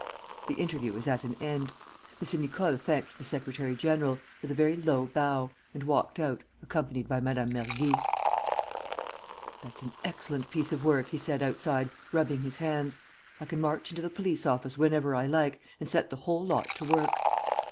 The interview was at an end. M. Nicole thanked the secretary general, with a very low bow, and walked out, accompanied by Mme. Mergy: "That's an excellent piece of work," he said, outside, rubbing his hands. "I can march into the police office whenever I like, and set the whole lot to work."